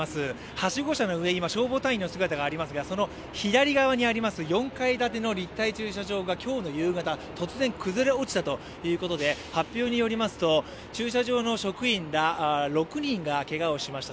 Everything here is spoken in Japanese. はしご車の上、消防隊員の姿があります、その左側の４階建ての立体駐車場が今日の夕方、突然崩れ落ちたいうことで、発表によりますと駐車場の職員ら６人がけがをしました。